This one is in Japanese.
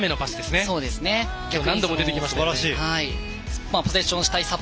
今日何度も出てきました。